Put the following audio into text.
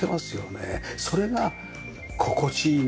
それが心地いいんです。